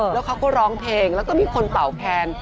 แล้วเขาก็ร้องเพลงแล้วก็มีคนเป่าแคน